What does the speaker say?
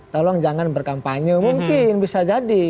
tolong jangan berkampanye mungkin bisa jadi